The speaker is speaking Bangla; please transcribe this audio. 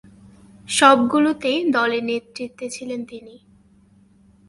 সবগুলোতেই দলের নেতৃত্বে ছিলেন তিনি।